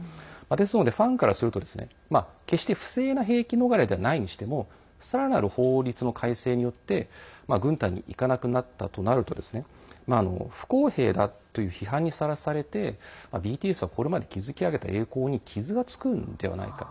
ですので、ファンからすると決して不正な兵役逃れではないにしてもさらなる法律の改正によって軍隊に行かなくなったとなると不公平だという批判にさらされてＢＴＳはこれまで築き上げた栄光に傷がつくんではないか。